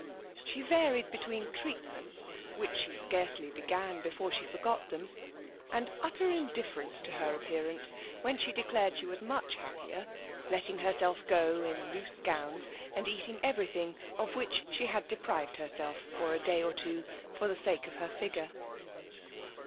She varied between treatments, which she scarcely began before she forgot them, and utter indifference to her appearance, when she declared she was much happier, letting herself go in loose gowns, and eating everything of which she had deprived herself for a day or two for the sake of her figure.